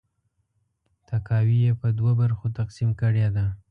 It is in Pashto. تاکاوی یې په دوه برخو تقسیم کړې ده.